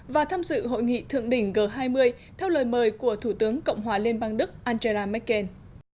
và tham dự hội nghị thượng đỉnh g hai mươi theo lời mời của thủ tướng cộng hòa liên bang đức angela merkel